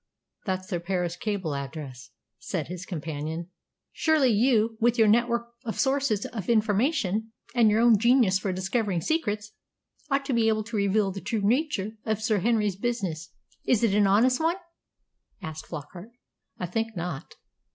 '" "That's their Paris cable address," said his companion. "Surely you, with your network of sources of information, and your own genius for discovering secrets, ought to be able to reveal the true nature of Sir Henry's business. Is it an honest one?" asked Flockart. "I think not."